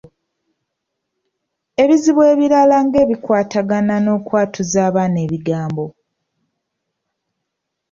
Ebizibu ebirala ng’ebikwatagana n’okwatuza abaana ebigambo.